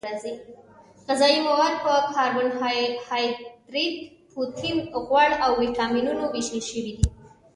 غذايي مواد په کاربوهایدریت پروټین غوړ او ویټامینونو ویشل شوي دي